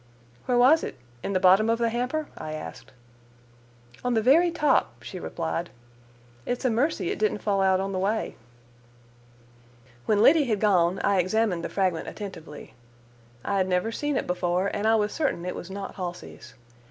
"Where was it? In the bottom of the hamper?" I asked. "On the very top," she replied. "It's a mercy it didn't fall out on the way." When Liddy had gone I examined the fragment attentively. I had never seen it before, and I was certain it was not Halsey's.